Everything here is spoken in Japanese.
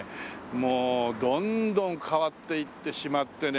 もうどんどん変わっていってしまってね。